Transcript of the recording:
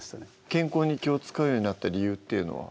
健康に気を遣うようになった理由っていうのは？